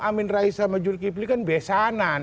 amin rais sama jul kipli kan besanan